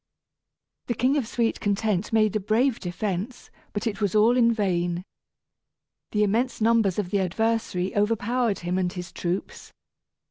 The king of Sweet Content made a brave defence, but it was all in vain. The immense numbers of the adversary overpowered him and his troops.